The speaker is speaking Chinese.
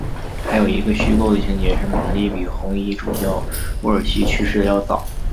还有一个虚构的情节是玛丽比红衣主教沃尔西去世的要早。